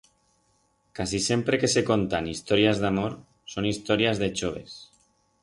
Casi sempre que se contan historias d'amor, son historias de choves.